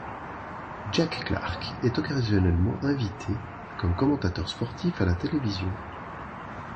Jack Clark est occasionnellement invité comme commentateur sportif à la télévision.